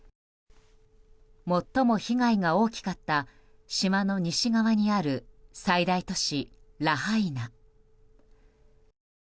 最も被害が大きかった島の西側にある最大都市ラハイナ。